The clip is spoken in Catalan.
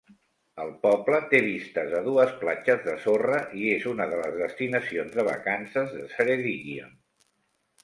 El poble té vistes a dues platges de sorra i és una de les destinacions de vacances de Ceredigion.